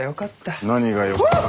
何がよかっただ？